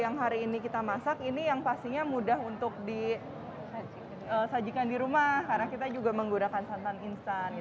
yang hari ini kita masak ini yang pastinya mudah untuk disajikan di rumah karena kita juga menggunakan santan instan